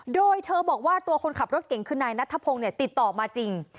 โดยเธอบอกว่าตัวคนขับรถเก่งคือนายนัทธพงศ์ติดต่อมาจริง